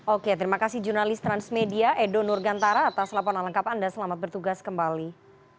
oke terima kasih